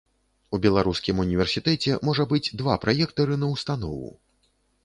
У беларускім універсітэце можа быць два праектары на ўстанову.